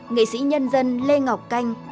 nghệ sĩ nhân dân lê ngọc canh